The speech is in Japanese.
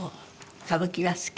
歌舞伎は好き？